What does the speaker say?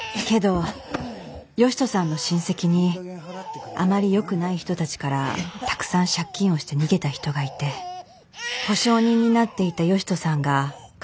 けど善人さんの親戚にあまりよくない人たちからたくさん借金をして逃げた人がいて保証人になっていた善人さんが肩代わりをさせられて